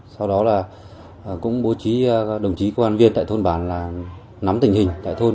sau đó là cũng bố trí đồng chí công an viên tại thôn bản là nắm tình hình tại thôn